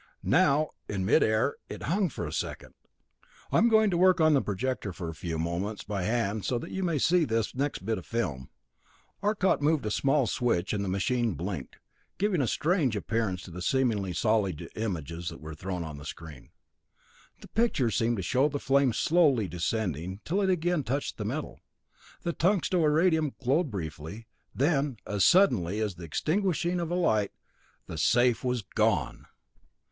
Now, in mid air, it hung for a second. "I'm going to work the projector for a few moments by hand so that you may see this next bit of film." Arcot moved a small switch and the machine blinked, giving a strange appearance to the seemingly solid images that were thrown on the screen. The pictures seemed to show the flame slowly descending till it again touched the metal. The tungsto iridium glowed briefly; then, as suddenly as the extinguishing of a light, the safe was gone!